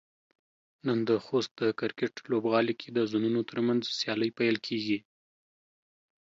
نن د خوست د کرکټ لوبغالي کې د زونونو ترمنځ سيالۍ پيل کيږي.